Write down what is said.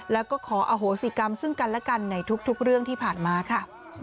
แล้วก็ขออโหสิกรรมซึ่งกันและกันในทุกเรื่องที่ผ่านมาค่ะ